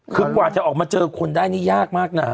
คือกว่าจะออกมาเจอคนได้นี่ยากมากนะ